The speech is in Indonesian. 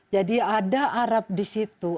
jadi ada arab di situ